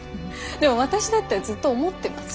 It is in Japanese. でも私だってずっと思ってます。